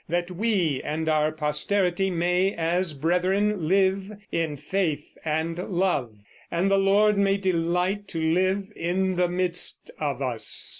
that we and our posterity may as brethren live in faith and love, and the Lord may delight to live in the midst of us.